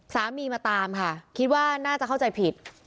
สามีมาตามค่ะคิดว่าน่าจะเข้าใจผิด